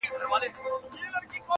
بل به څوک وي پر دنیا تر ما ښاغلی -